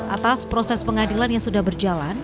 atas proses pengadilan yang sudah berjalan